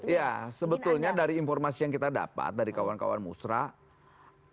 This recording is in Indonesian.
ya sebetulnya dari informasi yang kita dapat dari kawan kawan musrah